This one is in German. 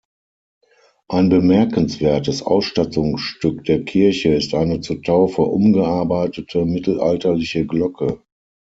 Ein bemerkenswertes Ausstattungsstück der Kirche ist eine zur Taufe umgearbeitete mittelalterliche Glocke.